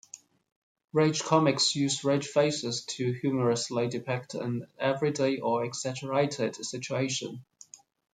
Rage Comics use "rage faces" to humorously depict an everyday or exaggerated situation.